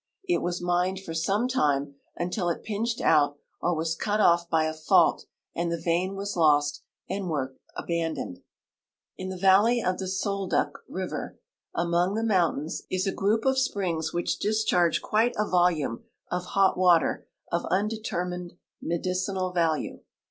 It was mined for some time, until it pinched out or was cut off by a fault and the vein Avas lost and Avork abandoned. In the valley of the Solduck riA'er, among the mountains, is a group of springs Avhich discharge quite a volume of hot Avater of undetermined medicinal value.